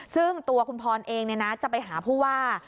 ซึ่งตัวคุณพรเองจะไปหาผู้ว่า